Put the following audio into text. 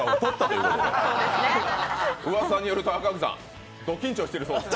うわさによると赤荻さん、ド緊張しているようですね？